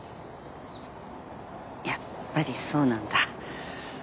やっぱりそうなんだ。